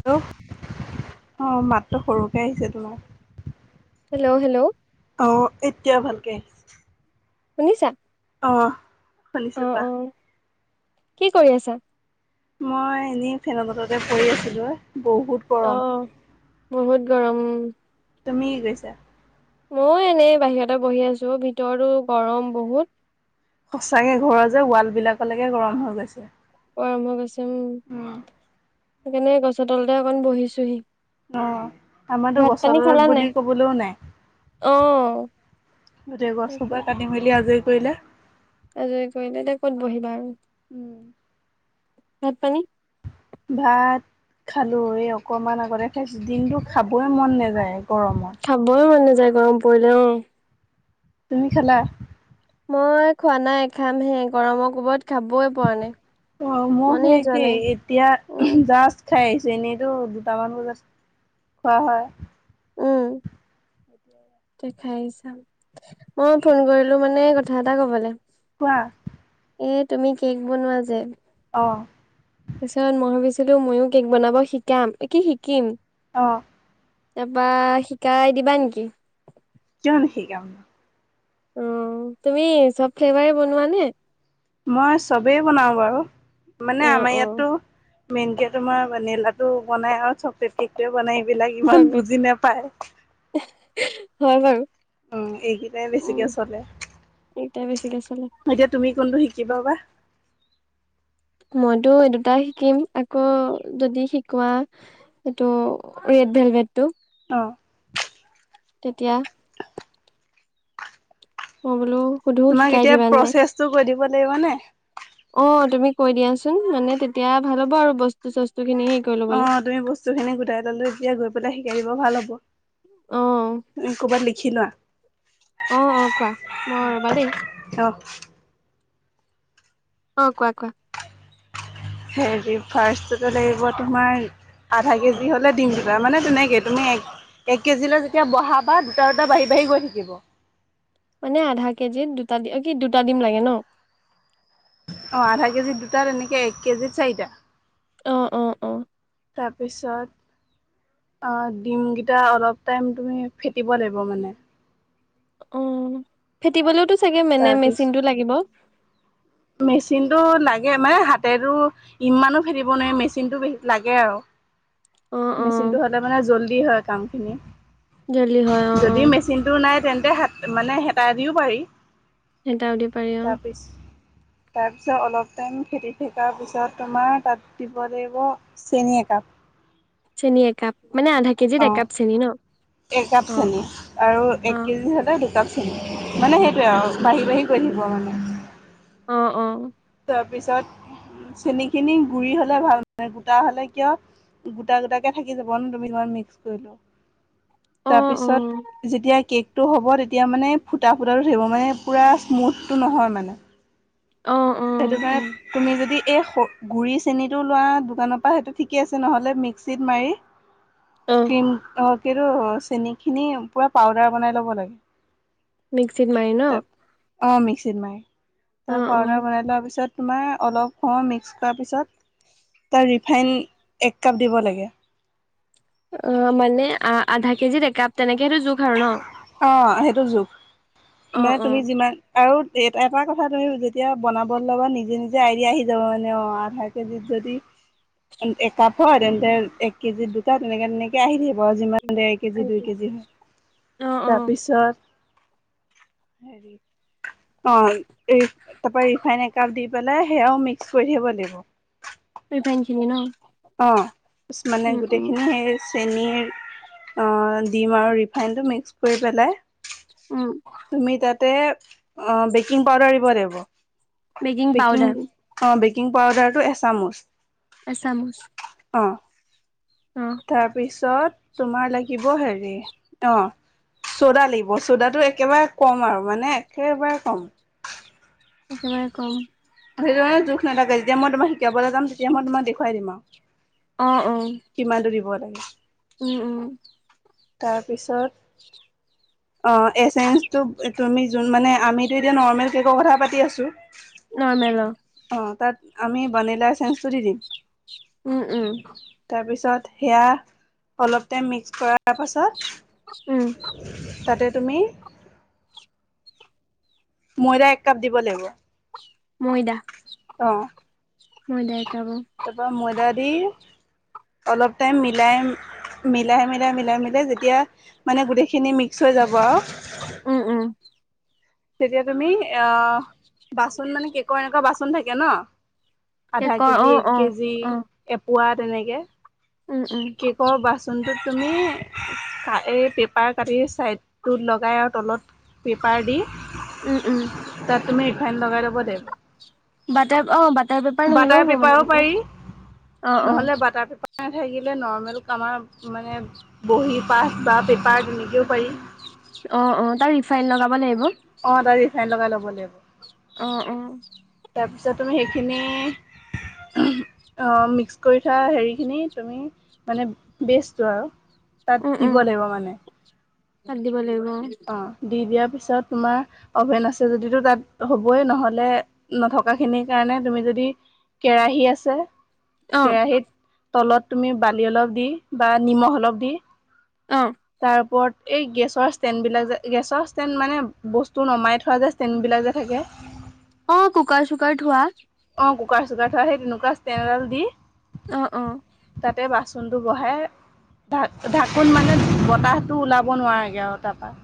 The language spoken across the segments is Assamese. হেল্ল', অহ মাতটো সৰুকে আহিছে তোমাৰ। হেল্ল'- হেল্ল' ঔ এতিয়া ভালকে শুনিছা? অহ, অ', শুনিছো পা অ', কি কৰি আছা? মই এনেই ফেনৰ তলতে পৰি আছিলো বহুত গৰম। অ', বহুত গৰম উম। তুমি কি কৰিছা? মও এনেই বাহিৰতে বহি আছো ভিতৰতো গৰম বহুত। সঁচাকে ঘৰৰ যে ৱাল বিলাকলৈকে গৰম হৈ গৈছে। পৰা আৰম্ভ কৰিছে উম উম সেইকাৰণে গছৰ তলতে অকণ বহিছোহি অহ, আমাৰতো ভাত পানী গছৰ খালা তলত নাই? বুলি কবলৈও নাই অ', গোটেই সেইটোৱে। গছসোপা কাটি -মেলি আজৰি কৰিলে। আজৰি কৰিলে এতিয়া ক'ত বহিবা আৰু ভাত -পানী ভাত খালো এই অকমান আগতে খাইছো দিন টো খাবই মন নাযায় গৰমত খাবই মন নাযায় গৰম পৰিলে অহ তুমি খালা? মই খোৱা নাই খাম হে গৰমৰ কোবত খাবই পৰা নাই অহ, মইও মনেই সই যোৱা একেই নাই। এতিয়া উম, জাষ্ট খাই আহিছে এনেইতো দুটামান বজাত খোৱা হয় উম দেখাই আহিছা মইও ফোন কৰিলো মানে কথা এটা কবলে কোৱা এই তুমি কে'ক বনোৱা যে অহ পিছত মই ভাবিছিলো ময়ো কে'ক বনাব শিকাম কি শিকিম। অহ তাৰপৰা শিকাই দিবা নেকি? কিয় নিশিকাম অহ, তুমি চব ফ্লেভাৰ বনোৱা নে? মই চবেই বনাও বাৰু মানে অ আমাৰ অ ইয়াততো মেইন কে তোমাৰ লাডু টো বনাই আৰু চকলেট কেক টোৱে বনাই বিলাক ইমান চকলেট বুজি নাপায়। হয় বাৰু। উম! সেইকেইটাই উম বেছিকে চলে। এইকেইটা বেছিকে চলে এতিয়া তুমি, কোনটো শিক কিবা বা মইতো এই দুটাই শিকিম। আকৌ যদি শি কোৱা! এইটো ৰেড ভেলভেটটো অ'! তেতিয়া মই বোলো, সুধো তোমাক শিকাই এতিয়া দিবা নাই। প্ৰচেছটো কৈ দিব লাগিব নে অ'! তুমি কৈ দিয়াচোন? মানে, তেতিয়া ভাল হ'ব আৰু বস্তু চস্তু খিনি হেৰি কৰি ল'বলে অহ, তুমি বস্তু খিনি গোটাই ললে তেতিয়া গৈ পেলাই শিকাই দিব ভাল হ'ব। অ', খিলা অ'! অ'! কোৱা? মই ৰবা দেই! অ' অ'! কোৱা, কোৱা? হেৰি, ফাৰ্ষ্টটে লাগিব তোমাৰ আধা কেজি হ'লে ডিম দুটা, মানে তেনেকে। তুমি, এক এক কেজিলৈ যেতিয়া বহাবা দুটা, দুটা, বাঢ়ি, বাঢ়ি, গৈ থাকিব। মানে, আধা কেজিত দুটা দি কি দুটা দিম লাগে ন'। অ'! আধা কেজিত দুটা। তেনেকে, এক কেজিত চাৰিটা। অ'! অ'! অ'! তাৰপিছত অ'! ডিমকেইটা অলপ টাইম, তুমি ফেটিব লাগিব মানে। অ'! ফেটিবলৈওতো চাগে মানে, তাৰপিছ মেচিনটো লাগিব। মেচিনটো লাগে, মানে হাতেতো ইমানো ফেটিব নোৱাৰি, মেচিনটোে লাগে আৰু। অ', অ', মেচিনটো হ'লে মানে, জল্দি হয় কামখিনি। জল্দি হয় অ', যদি অ', মেচিনটো নাই তেন্তে হ' মানে, হেতা দিও পাৰি। হেতাওদি পাৰি অ'! তাৰপিছ তাৰপিছত, অলপ টাইম ফেটি থকাৰ পিছত, তোমাৰ তাত দিব লাগিব, চেনি এক কাপ। চেনি এক কাপ। অ'! এক কাপ অ', চেনি অ', আৰু এক অ', কেজিত সদায় দু দুকাপ চিনি। মানে, সেইটোৱে দুকাপ আৰু চেনি বাঢ়ি বাঢ়ি গৈ থাকিব মানে। অ'! অ'! তাৰপিছত, চেনিখিনি গুৰি হ'লে ভাল মানে। গোটা হ'লে কিয়? গোটা, গোটাকে থাকি যাব ন'! তুমি লৈ মিক্স কৰি অ', লোৱা। অ', তাৰপিছত, যেতিয়া কেক টো হ'ব। তেতিয়া মানে, ফুটা, ফুটাটো থাকিব মানে। পুৰা স্মুথটো নহয় মানে। অ', সেইটো অ', অ', কাৰণে, তুমি যদি এই গুড়ি চেনিটো লোৱা দোকানৰ পৰা, সেইটো ঠিকে আছে, নহ'লে মিক্সিত মাৰি অ', ক্ৰীম, অ'! কিন্তু চেনিখিনি পুৰা পাউদাৰ বনাই ল'ব লাগে। মিক্সিত মাৰি ত ন'? অ মিক্সিত মাৰি। তাৰ অ', অ', পাউদাৰ বনাই লোৱাৰ পিছত তোমাৰ, অলপ সময় মিক্স কৰাৰ পিছত তাৰ ৰিফাইন এক কাপ দিব লাগে। অ'! মানে, আধা কেজিত একাপ তেনেকে। সেইটো জোখ আৰু ন? অ'! সেইটো জোখ। অ', মানে, তুমি অ', যিমান আৰু এটা কথা তুমি, যেতিয়া বনাব ল'বা নিজে, নিজে আইডিয়া আহি যাব মানে। অ'! আধা কেজিত যদি একাপ হয়। তেন্তে, এক কেজি দুটা, তেনেকে, তেনেকে আহি থাকিব। যিমান দেৰ কেজি, দুই কেজি হয়। অ', অ', তাৰপিছত অ'! এই তাৰপৰা ৰিফাইন এক কাপ দি পেলাই, সেয়াও মিক্স কৰি থাকিব লাগিব। ৰিফাইন খিনি ন'? অ' মানে উম, উম, গোটেইখিনি হেৰি চেনীৰ অ' ডিম আৰু ৰিফাইনটো মিক্স কৰি পেলাই উম, তুমি তাতে অ' বেকিং পাউডাৰ দিব লাগিব। বেকিং অ' বেকিং পাউদাৰটো এচামুচ এচামুচ অ'। অ তাৰপিছত তোমাৰ লাগিব হেৰি অ' চ'দা লাগিব। চ'দাটো একেবাৰে কম আৰু মানে একেবাৰে কম। একেবাৰে কম। সেইটোকাৰণে জোখ নাথাকে। যেতিয়া, মই তোমাৰ শিকাবলৈ যাম, তেতিয়া মই তোমাক দেখুৱাই দিম আৰু। অ'! অ'! কিমানটো দিব লাগে উম - উম। তাৰপিছত অ' এছেনছটো তুমি যোন- মানে আমিতো এতিয়া নৰ্মেল কে'কৰ কথা পাতি আছোঁ। নৰ্মেল অ'। অ' তাত আমি বানিলা এছেঞ্চটো দি দিম। উম - উম। তাৰপিছত সেয়া অলপ টাইম মিক্স কৰাৰ পাছত উম। তাতে তুমি ময়দা এক কাপ দিব লাগিব। ময়দা। অ'। ময়দা একাপ অ তাৰপৰা ময়দা দি অলপ টাইম মিলাই মিলাই - মিলাই - মিলাই - মিলাই যেতিয়া মানে গোটেইখিনি মিক্স হৈ যাব আৰু। উম - উম। তেতিয়া তুমি অ' বাচন মানে কেকৰ এনেকুৱা বাচন থাকে ন'। আধা কেকৰ অ কেজি, এক অ কেজি, অ এপোৱা তেনেকে। উম উম কেক'ৰ বাচনটোত তুমি এই পেপাৰ কাটি ছাইডটোত লগাই আৰু তলত পেপাৰ দি উম উম তাত তুমি ৰিফাইণ্ড লগাই ল'ব লাগিব। বাটাৰ অ' বাটাৰ পেপাৰ বাটাৰ নহ'লেও হ'ব মানে পেপাৰো পাৰি তেতিয়া। অ' - অ'। নহ'লে বাটাৰ পেপাৰ নাথাকিলে নৰ্মেল আমাৰ মানে বহী পাঠ বা পেপাৰ তেনেকৈও পাৰি। অ' - অ', তাৰ ৰিফাইন লগাব লাগিব? অ' তাৰ ৰিফাইন লগাই ল'ব লাগিব। অ' - অ'। তাৰপিছত তুমি সেইখিনি উ অ' মিক্স কৰি থোৱা হেৰিখিনি তুমি মানে বেছটো আৰু। উম তাত উম দিব লাগিব মানে। তাত দিব লাগিব অ' দি দিয়া পিছত তোমাৰ অভেন আছে যদি তো তাত হ'বয়ে নহলে, নথকাখিনিৰ কাৰণে তুমি যদি দি কেৰাহী আছে অ অ কেৰাহীত তলত তুমি বালি অলপ দি বা নিমখ অলপ দি তাৰ ওপৰত এই গেছৰ ষ্টেণ্ডবিলাক যে, গেছৰ ষ্টেণ্ড মানে বস্তু নমাই থোৱা যে ষ্টেণ্ডবিলাক যে থাকে অ' কুকাৰ-চুকাৰ থোৱা অ' কুকাৰ-চুকাৰ থোৱা সেই তেনেকুৱা ষ্টেন এডাল দি অ' - অ'। চনটো বহাই ভাট- ঢাকোন মানে বতাহটো ওলাব নোৱাৰাকে আৰু তাৰপৰা।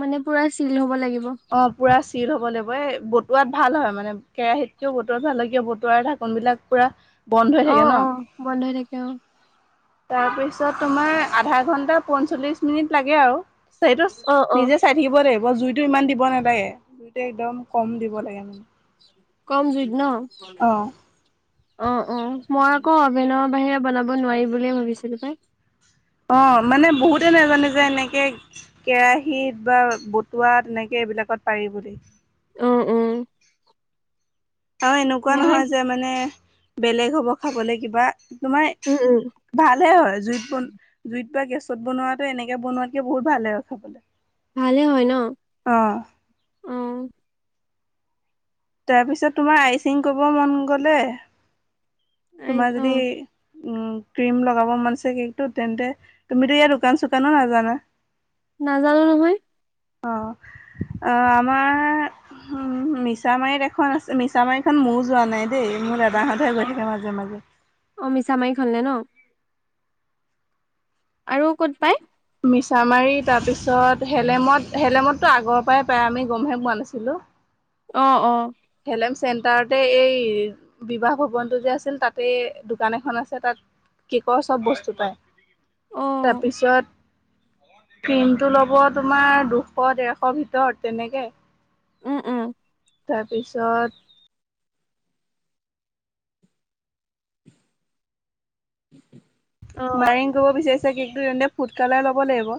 মানে পুৰা ছিল হ'ব লাগি অ' পুৰা ছি টিল হব লাগিব। এই বতুৱাত ভাল হয়, মানে কেৰাহীতকেও বতুৱাত ভাল হয়। কিয় বতুৱাৰ ঢাকনবিলাক পুৰা বন্ধ হৈ থাকে অ' ন - অ', বন্ধ হৈ থাকে অ'। তাৰপিছত তোমাৰ আধা ঘন্টা,। পঞ্চল্লিশ মিনিট লাগে আৰু সেইটোছ অ অ নিজে চাই থাকিব লাগিব। জুইটো ইমান দি দিব নালাগে। জুইটো একদম কম দিব লাগে মানে। কম জুইত ন'? অ অ' - অ' মই আকৌ অভেনৰ বাহিৰে বনাব নোৱাৰি বুলিয়ে ভাবিছিলোঁ পাই। অ' মানে বহুতে নাজানে যে এনেকে কেৰাহীত বা বতুৱাত তেনেকে সেইবিলাকত পাৰি বুলি উম - উম। আৰু এনেকুৱা নহয় যে মানে বেলেগ হ'ব খাবলে কিবা তোমাৰ উম উম ভালেহে হয়। জুইত বন- জুইত কিবা গেছত বনোৱাটো এনেকে বনোৱাতকে বহুত ভাল হয় আৰু খাবলৈ। ভালে হয় ন'? অ', অ'। তাৰপিছত তোমাৰ আইচিং কৰিব মন গ'লে আইচ তোমাৰ অ যদি উম ক্ৰীম লগাব মনছে কেকটো তেন্তে, তুমিতো ইয়াত দোকান- চুকানো নাজানা। নাজানোঁ নহয়। অ'। অ' আমাৰ উম মিছামাৰীত এখন আছে- মিছামাৰীখন ময়ো যোৱা নাই দেই। মোৰ দাদাহঁতহে গৈ থাকে মাজে মাজে। অ' মিছামাৰিখনলে ন'? আৰু ক'ত পায়? মিছামাৰি, তাৰপিছত হেলেমত- হেলেমততো আগৰ পৰাই পায়। আমি গমহে পোৱা নাছিলোঁ। অ' - অ'। হলেম চেণ্টাৰতে এই বিবাহ ভৱনটো যে আছিল, তাতে দোকান এখন আছে। তাত কেকৰ চব বস্তু পায়। অ তাৰপিছত ক্ৰীমটো লব তোমাৰ দুশ-ডেৰশ' ভিতৰত তেনেকে। উম - উম। তাৰপিছত [unintelligible] মাইৰিং কৰিব বিচাৰিছা কেকটো, তেন্তে ফুড কালাৰ ল'ব লাগিব।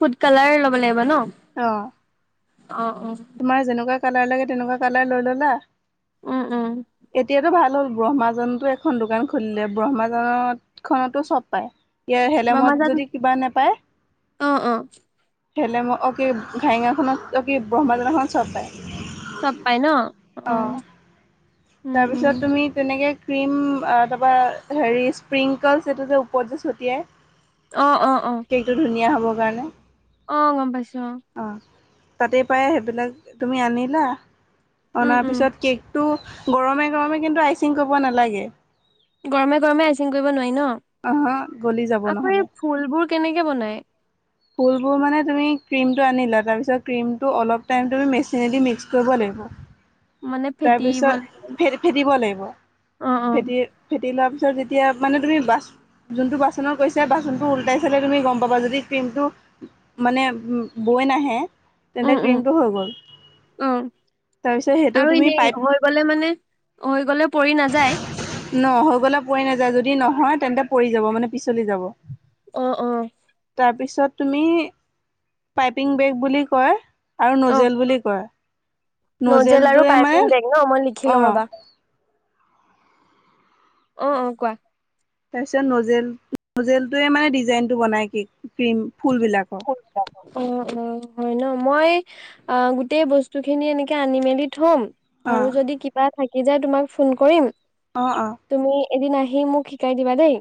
ফুড কালাৰ ল'ব লাগিব অ ন'? অ' - অ'। তোমাৰ যেনেকুৱা কালাৰ লাগে, তেনেকুৱা কালাৰ লৈ ল'লা। উম উম এতিয়াটো ভাল ব্ৰহ্মাজানতো এখন দোকান খুলিলে। ব্ৰহ্মাজানত খনতো চব পায়। তিয়া হেলেমত বমাজান যদি কিবা নাপায় অ অ হেলেম অ' কি, ঘাইঙাখনত অ' কি, ব্ৰহ্মাজনখনত চব পায়। চব পায় ন'? অ'। উম তাৰ উম পিছত তুমি তেনে কে ক্ৰীম অ' তাৰপৰা হেৰি স্প্ৰিংকলছ এইটো যে ওপৰত যে ছটিয়ায় অ' - অ' - অ'। দিব কাৰণে অ' গম পাইছোঁ অ'। তাতেই পায়। সেইবিলাক তুমি আনিলা। উম অনাৰ উম পিছত কেকটো গৰমে - গৰমে কিন্তু আইচিং কৰিব নালাগে। গৰমে - গৰমে আইচিং কৰিব নোৱাৰি ন'? অহ গলি যাব আকৌ এই নহ'লে ফুলবোৰ কেনেকে বনাই? ফুলবোৰ মানে তুমি ক্ৰীম টো আনিলা তাৰপিছত অলপ টাইম তুমি মেচিনেদি মিক্স কৰিব লাগিব। মানে দিব তাৰ ফেটিব লাগে পিছত ফে ফেটিব লাগিব অ অ ফেটি -ফেটি লোৱা পিছত যেতিয়া মানে তুমি বাছ যোনটো বাচনৰ কৈছা বাচনটো উলটাই চালে তুমি গম পাবা যদি ক্ৰীমটো মানে বৈ নাহে উম তেন্তে ক্ৰীমটো হৈ গ'ল উম তাৰপিছত সেইটো আৰু তুমি এনেই পাইপ হৈ গলে মানে হৈ গলে পৰি নাযায়? ন হৈ গলে পৰি নাযায় যদি নহয় তেন্তে পৰি যাব মানে পিছলি যাব। অ' - অ'। তাৰপিছত তুমি পাইপিং বেগ বুলি কয় আৰু অ নজেল বুলি কয় নজেল আৰু নজেলটোৱে মানে পাইপিং বেগ ন' মই লিখি অ লওঁ ৰবা অ', - অ', কোৱা তাৰপিছত নজেল- নজেলটোৱে মানে ডিজাইনটো বনাই কি ক্ৰীম ফুলবিলাক অহ - অহ হয় ন' মই আ' গোটেই বস্তু খিনি এনেকে আনি মেলি থ'ম অ আৰু যদি কিবা থাকি যায় তোমাক ফোন কৰিম অহ - অহ। তুমি এদিন আহি মোক শিকাই দিবা দেই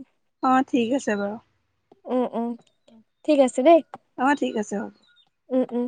অহ, ঠিক আছে বাৰু উম- উম ঠিক আছে দেই অহ, ঠিক আছে হ'ব উম- উম